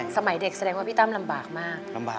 สมัยเด็กแสดงว่าพี่ตั้มลำบากมากลำบาก